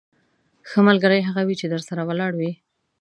ښه ملګری هغه وي چې درسره ولاړ وي.